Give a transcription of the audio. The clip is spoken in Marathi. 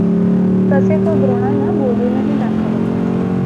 तसे तो द्रोणांना बोलूनही दाखवतो.